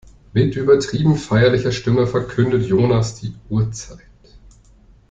Mit übertrieben feierlicher Stimme verkündet Jonas die Uhrzeit.